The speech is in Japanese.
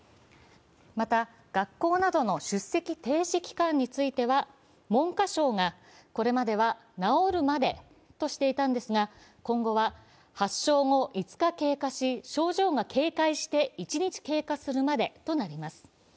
また、学校などの出席停止期間については文科省がこれまでは治るまでとしていたのですが、今後は発症後５日経過し、症状が軽快して１日経過するまでとなります。